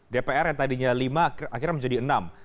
dpr yang tadinya lima akhirnya menjadi enam